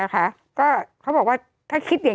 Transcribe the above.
โทษทีน้องโทษทีน้อง